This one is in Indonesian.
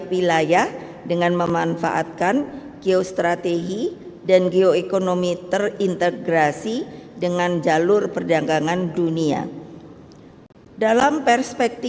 bapak presiden kami telah membuat peta